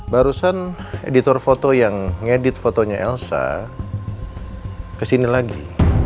barusan editor foto yang ngedit fotonya elsa kesini lagi